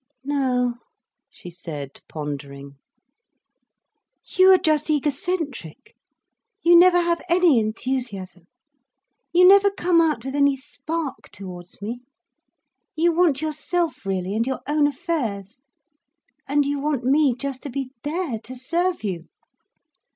"No," she said, pondering. "You are just egocentric. You never have any enthusiasm, you never come out with any spark towards me. You want yourself, really, and your own affairs. And you want me just to be there, to serve you."